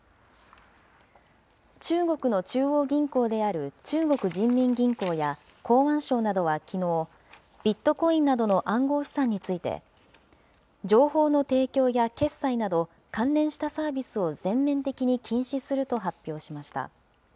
中国の中央銀行である中国人民銀行や公安省などはきのう、ビットコインなどの暗号資産について、情報の提供や決済など、関連したサービスを全面的に禁止すると発表しました。